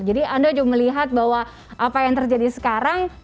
jadi anda juga melihat bahwa apa yang terjadi sekarang